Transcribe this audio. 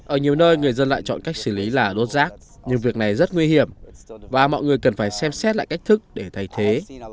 ở nhiều nơi người dân lại chọn cách xử lý là đốt rác nhưng việc này rất nguy hiểm và mọi người cần phải xem xét lại cách thức để thay thế